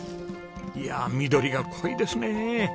いやあ緑が濃いですね！